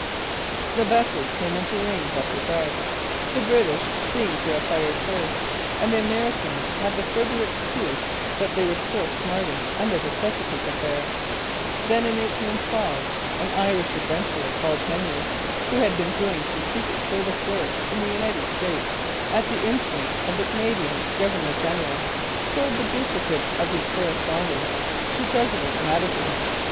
The vessels came into range after dark; the British seem to have fired first; and the Americans had the further excuse that they were still smarting under the Chesapeake affair. Then, in 1812, an Irish adventurer called Henry, who had been doing some secret service work in the United States at the instance of the Canadian governor general, sold the duplicates of his correspondence to President Madison.